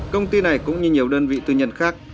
công ty này cũng như nhiều đơn vị tư nhân khác